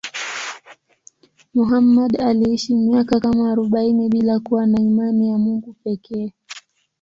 Muhammad aliishi miaka kama arobaini bila kuwa na imani ya Mungu pekee.